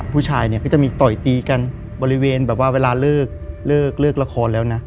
ผู้ชายเนี่ยก็จะมีต่อยตีกันบริเวณแบบว่าเวลาเลิกละครแล้วนะ